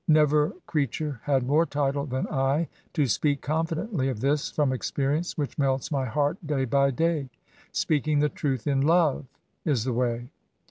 Never creature had more title than I to speak confidently of this, from experience which melts my heart day by day. " Speaking the truth in love," is the way.